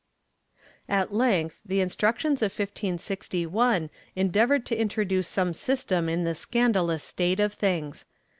^ At length the Instructions of 1561 endeavored to introduce some system in this scandalous state of things.